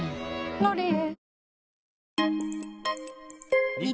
「ロリエ」